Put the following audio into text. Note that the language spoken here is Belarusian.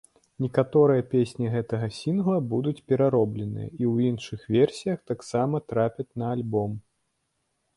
Некаторыя песні гэтага сінгла будуць пераробленыя, і ў іншых версіях таксама трапяць на альбом.